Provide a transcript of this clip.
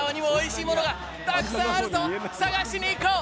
探しに行こう。